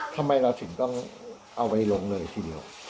ทำไมเราถึงต้องเอาไปลงเลยทีเดียว